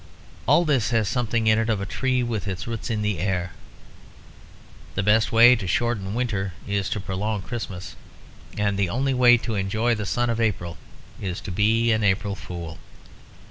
All this has something in it of a tree with its roots in the air. The best way to shorten winter is to prolong Christmas; and the only way to enjoy the sun of April is to be an April Fool.